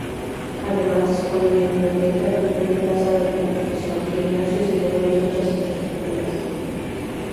Además, dispone de: biblioteca, imprenta, salas de computación, gimnasios y de varias otras infraestructuras.